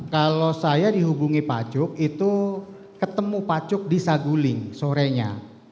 kalau saya dihubungi pak cuk itu ketemu pak cuk di saguling sorenya